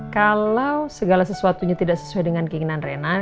kalau segala sesuatunya tidak sesuai dengan keinginan renan